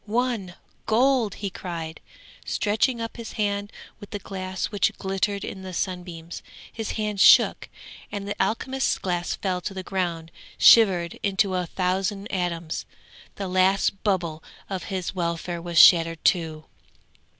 won! gold!" he cried, stretching up his hand with the glass which glittered in the sunbeams: his hand shook, and the alchemist's glass fell to the ground shivered into a thousand atoms. The last bubble of his welfare was shattered too.